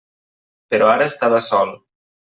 Però ara estava sol.